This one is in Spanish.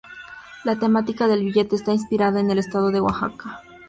La temática del billete está inspirada en el Estado de Oaxaca.